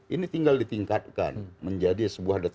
ini tinggal ditingkatkan menjadi sebuah data